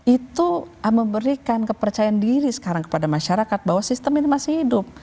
itu memberikan kepercayaan diri sekarang kepada masyarakat bahwa sistem ini masih hidup